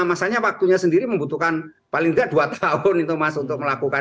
maksudnya waktunya sendiri membutuhkan paling tidak dua tahun itu mas untuk melakukan